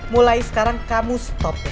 mulai sekarang kamu stop